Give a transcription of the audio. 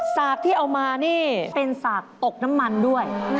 สากที่เอามานี่เป็นสากตกน้ำมันด้วย